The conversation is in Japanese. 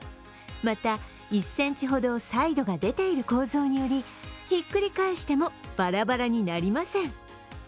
また、１ｃｍほどサイドが出ている構造によりひっくり返してもバラバラになりません。